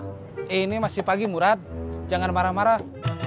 eh ini masih pagi murad jangan marah marah